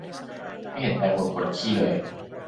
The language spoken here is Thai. ไม่เห็นใจคนปวดขี้เลย